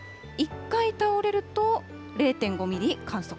１回倒れると０．５ミリ観測。